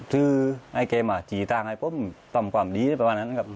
ชื่อเขามาจีตังให้ผมทำความดีประมาณนั้นครับ